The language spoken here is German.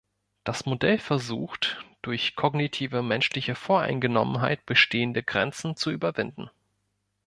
Das Modell versucht durch kognitive menschliche Voreingenommenheit bestehende Grenzen zu überwinden.